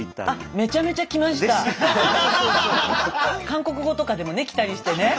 韓国語とかでもね来たりしてね。